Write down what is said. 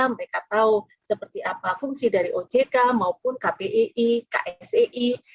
mereka tahu seperti apa fungsi dari ojk maupun kpei ksei